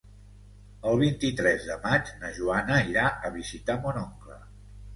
El vint-i-tres de maig na Joana irà a visitar mon oncle.